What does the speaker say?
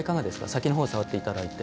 先のほうを触っていただいて。